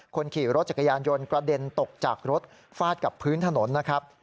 คนขี่รถจักรยานยนต์กระเด็นตกจากรถฟาดกับพื้นถนนนะครับ